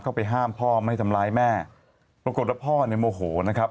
เข้าไปห้ามพ่อไม่ทำร้ายแม่ปรากฏว่าพ่อเนี่ยโมโหนะครับ